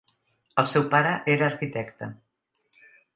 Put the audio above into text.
El seu pare era arquitecte.